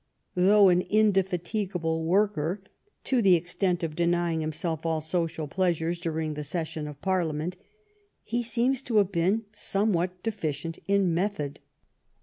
Though an indefatigable worker, to the extent of denying himself all social pleasures during the Session of Parliament, he seems to have been somewhat deficient in method.